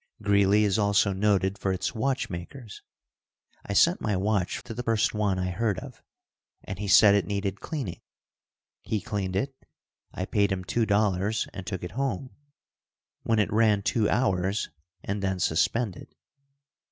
Greeley is also noted for its watchmakers. I sent my watch to the first one I heard of, and he said it needed cleaning. He cleaned it. I paid him $2 and took it home, when it ran two hours and then suspended.